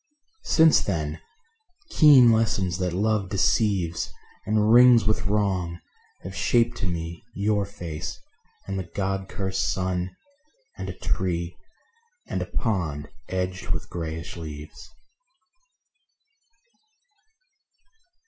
... Since then, keen lessons that love deceives, And wrings with wrong, have shaped to me Your face, and the God curst sun, and a tree, And a pond edged with grayish leaves.